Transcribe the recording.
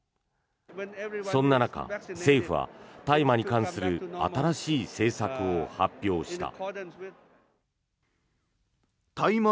そんな中、政府は大麻に関する新しい政策を発表した。